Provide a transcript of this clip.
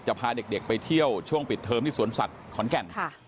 พาเด็กไปเที่ยวช่วงปิดเทอมที่สวนสัตว์ขอนแก่น